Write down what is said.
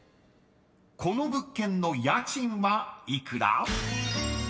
［この物件の家賃は幾ら？］